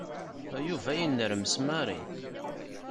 Yuba yennermes Mary.